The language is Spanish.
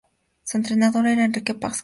Su entrenador era Enrique Pascual.